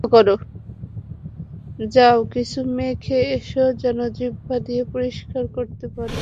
যাও কিছু মেখে এসো যেন জিহ্বা দিয়ে পরিস্কার করতে পারি।